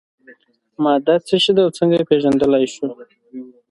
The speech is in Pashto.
ماده څه شی ده او څنګه یې پیژندلی شو.